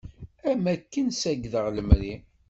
Am akken sakdeɣ lemri.